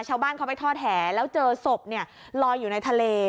ชาวบ้านเขาไปทอดแห่แล้วเจอศพลอยอยู่ในทะเล